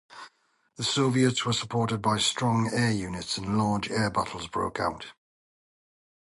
The Soviets were supported by strong air units, and large air battles broke out.